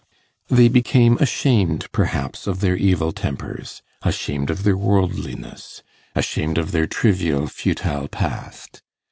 They became ashamed, perhaps, of their evil tempers, ashamed of their worldliness, ashamed of their trivial, futile past.